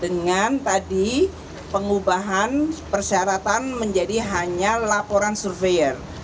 dengan tadi pengubahan persyaratan menjadi hanya laporan surveyor